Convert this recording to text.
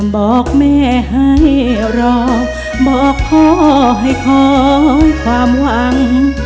บอกแม่ให้รอบอกพ่อให้ของความหวัง